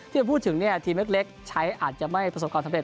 จะพูดถึงทีมเล็กใช้อาจจะไม่ประสบความสำเร็